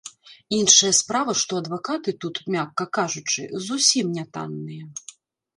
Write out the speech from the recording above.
Іншая справа, што адвакаты тут, мякка кажучы, зусім не танныя.